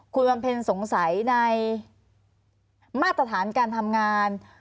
คุณบำเพ็ญสงสัยในมาตรฐานการทำงาน